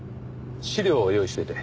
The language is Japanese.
資料を用意しておいて。